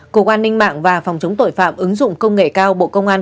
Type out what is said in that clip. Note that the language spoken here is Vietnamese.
cục an ninh mạng và phòng chống tội phạm ứng dụng công nghệ cao bộ công an